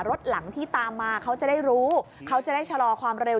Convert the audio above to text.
รถหลังที่ตามมาเขาจะได้รู้เขาจะได้ชะลอความเร็ว